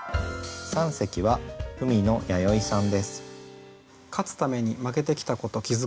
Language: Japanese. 三席は文野やよいさんです。